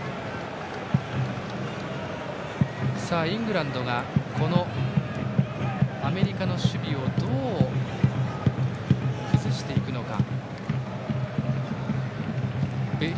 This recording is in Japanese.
イングランドがアメリカの守備をどう崩していくのか。